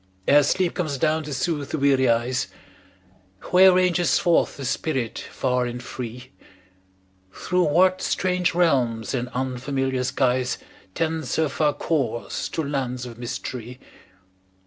Ere sleep comes down to soothe the weary eyes, Where ranges forth the spirit far and free? Through what strange realms and unfamiliar skies. Tends her far course to lands of mystery?